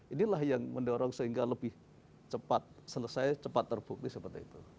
inilah yang mendorong sehingga lebih cepat selesai cepat terbukti seperti itu